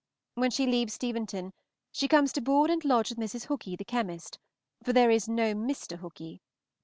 When she leaves Steventon, she comes to board and lodge with Mrs. Hookey, the chemist for there is no Mr. Hookey.